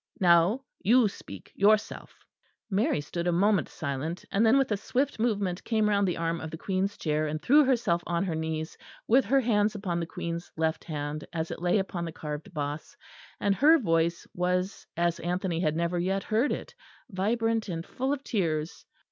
Now, you speak yourself." Mary stood a moment silent, and then with a swift movement came round the arm of the Queen's chair, and threw herself on her knees, with her hands upon the Queen's left hand as it lay upon the carved boss, and her voice was as Anthony had never yet heard it, vibrant and full of tears.